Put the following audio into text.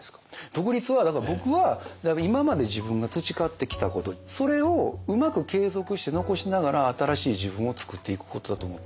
独立はだから僕は今まで自分が培ってきたことそれをうまく継続して残しながら新しい自分を作っていくことだと思ってるんですね。